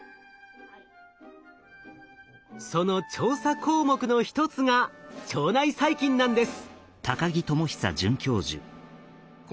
その調査項目の一つが腸内細菌なんです。